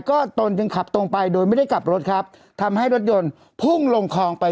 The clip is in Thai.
ก็ตนจึงขับตรงไปโดยไม่ได้กลับรถครับทำให้รถยนต์พุ่งลงคลองไป